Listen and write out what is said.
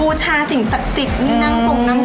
เหลือบเหรอในทะเลด้วยไหนตอนเข้ามา